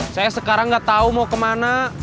saya sekarang gak tau mau kemana